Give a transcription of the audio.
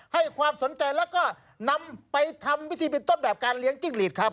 ให้ความสนใจแล้วก็นำไปทำวิธีเป็นต้นแบบการเลี้ยงจิ้งหลีดครับ